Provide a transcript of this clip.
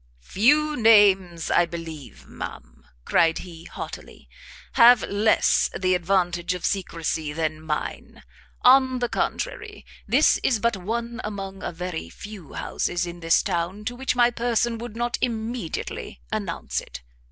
"Few names, I believe, ma'am," cried he, haughtily, "have less the advantage of secrecy than mine! on the contrary, this is but one among a very few houses in this town to which my person would not immediately announce it.